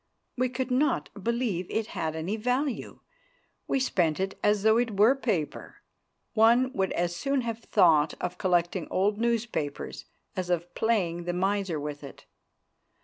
We could not believe it had any value. We spent it as though it were paper. One would as soon have thought of collecting old newspapers as of playing the miser with it.